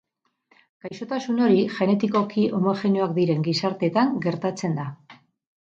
Gaixotasun hori genetikoki homogeneoak diren gizarteetan gertatzen da.